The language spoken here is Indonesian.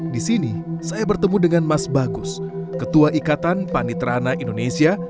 di sini saya bertemu dengan mas bagus ketua ikatan panitrana indonesia